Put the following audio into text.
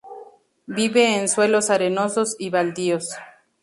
Vive en suelos arenosos y baldíos.